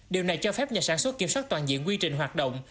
điều này cho phép nhà sản xuất kiểm soát toàn diện quy trình hoạt động